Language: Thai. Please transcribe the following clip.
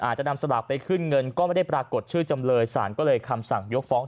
อาจจะนำสลากไปขึ้นเงินก็ไม่ได้ปรากฏชื่อจำเลยสารก็เลยคำสั่งยกฟ้อง